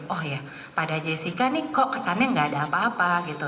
oh ya pada jessica nih kok kesannya nggak ada apa apa gitu